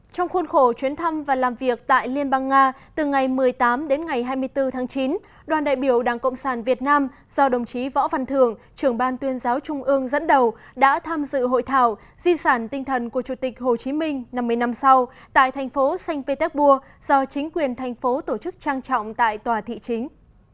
trong khuôn khổ chuyến thăm và làm việc tại liên bang nga từ ngày một mươi tám đến ngày hai mươi bốn tháng chín đoàn đại biểu đảng cộng sản việt nam do đồng chí võ văn thường trưởng ban tuyên giáo trung ương dẫn đầu đã tham dự hội thảo di sản tinh thần của chủ tịch hồ chí minh năm mươi năm sau tại thành phố sanh pê téc bua do chính quyền thành phố tổ chức trang trọng tại tòa thị chính